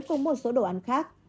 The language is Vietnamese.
và một số đồ ăn khác